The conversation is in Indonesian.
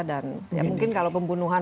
dan mungkin kalau pembunuhan